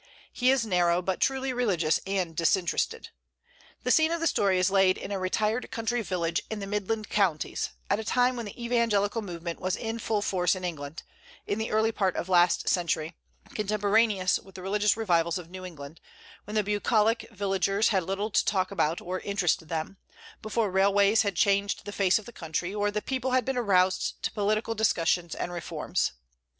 He is narrow, but truly religious and disinterested. The scene of the story is laid in a retired country village in the Midland Counties, at a time when the Evangelical movement was in full force in England, in the early part of last century, contemporaneous with the religious revivals of New England; when the bucolic villagers had little to talk about or interest them, before railways had changed the face of the country, or the people had been aroused to political discussions and reforms.